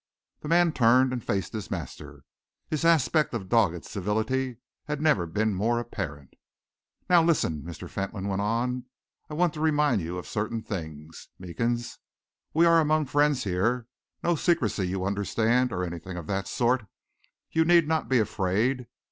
The man turned and faced his master. His aspect of dogged civility had never been more apparent. "Now listen," Mr. Fentolin went on. "I want to remind you of certain things, Meekins. We are among friends here no secrecy, you understand, or anything of that sort. You need not be afraid!